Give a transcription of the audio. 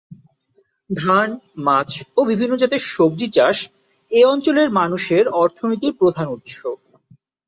ধান, মাছ ও বিভিন্ন জাতের সবজি চাষ এ অঞ্চলের মানুষের অর্থনীতির প্রধান উৎস।